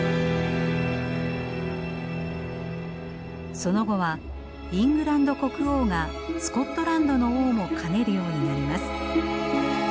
その後はイングランド国王がスコットランドの王も兼ねるようになります。